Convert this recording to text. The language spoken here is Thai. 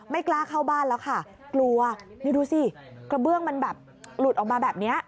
ไม่กล้าเข้าบ้านแล้วค่ะกลัวนี่ดูสิกระเบื้องมันแบบหลุดออกมาแบบนี้